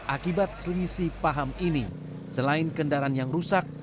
akibat selisih paham ini selain kendaraan yang rusak